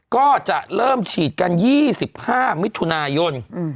ก็จะเริ่มฉีดกัน๒๕มิถุนายน